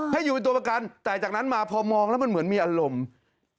ให้อยู่เป็นตัวประกันแต่จากนั้นมาพอมองแล้วมันเหมือนมีอารมณ์